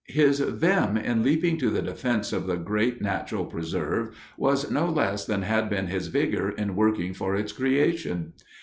His vim in leaping to the defense of the great natural preserve was no less than had been his vigor in working for its creation.